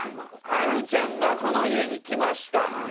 波瑠ちゃんがこの家に来ました